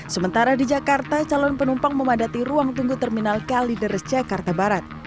sementara di jakarta calon penumpang memadati ruang tunggu terminal kalideres jakarta barat